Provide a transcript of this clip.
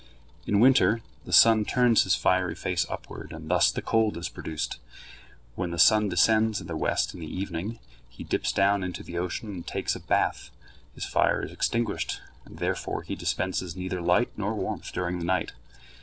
In winter the sun turns his fiery face upward, and thus the cold is produced. When the sun descends in the west in the evening, he dips down into the ocean and takes a bath, his fire is extinguished, and therefore he dispenses neither light nor warmth during the night.